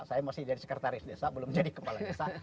saya masih jadi sekretaris desa belum jadi kepala desa